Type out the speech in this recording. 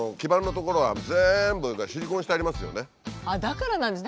だからなんですね。